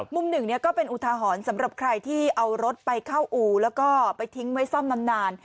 มุมหนึ่งก็เป็นอุทาหรณ์สำหรับใครที่เอารถไปเข้าอู่แล้วก็ไปทิ้งไว้ซ่อมนาน